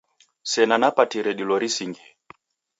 Sena napatire dilo risingie.